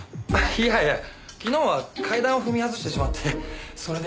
いやいや昨日は階段を踏み外してしまってそれで。